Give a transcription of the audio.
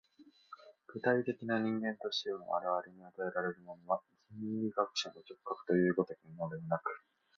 具体的人間としての我々に与えられるものは、心理学者の直覚という如きものではなく、